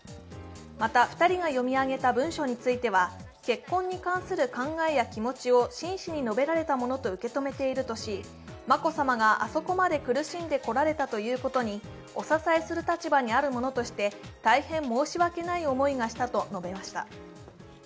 また２人が読み上げた文書については結婚に関する考えや気持ちを真摯に述べられたものと受け止めているとし眞子さまがあそこまで苦しんでこられたということに、お支えする立場にあるものとして大変申し訳ない思いがしたと述べました。